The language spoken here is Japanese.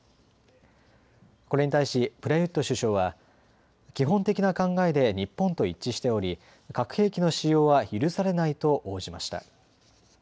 これに対しプラユット首相は、基本的な考えで日本と一致しており核兵器の使用は許されないと応じました。